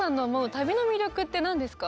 旅の魅力って何ですか？